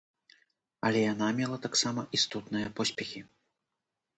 Але яна мела таксама істотныя поспехі.